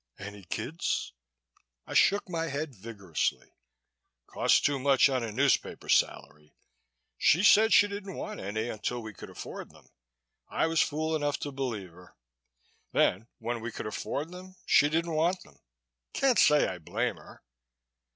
"Any kids?" I shook my head vigorously. "Cost too much on a newspaper salary. She said she didn't want any until we could afford them. I was fool enough to believe her. Then when we could afford them she didn't want them. Can't say I blame her."